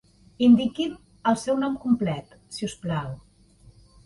Indiqui'm el seu nom complet si us plau.